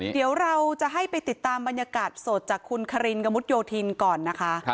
เดี๋ยวเราจะให้ไปติดตามบรรยากาศสดจากคุณคารินกระมุดโยธินก่อนนะคะ